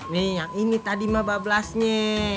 nih yang ini tadi lima bablasnya